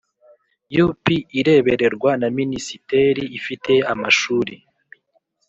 U P irebererwa na Minisiteri ifite amashuri